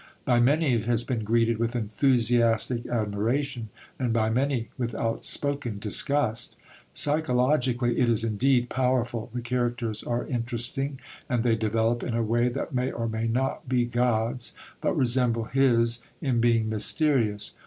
By many it has been greeted with enthusiastic admiration and by many with outspoken disgust. Psychologically, it is indeed powerful. The characters are interesting, and they develop in a way that may or may not be God's, but resemble His in being mysterious.